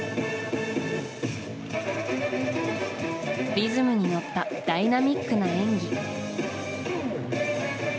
リズムに乗ったダイナミックな演技。